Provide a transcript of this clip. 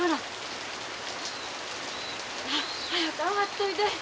早く上がっといで。